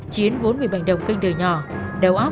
chiến vốn bị bệnh động kinh thời nhỏ